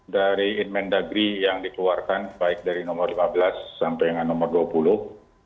dari inmen dagri yang dikeluarkan baik dari nomor lima belas sampai dengan nomor dua puluh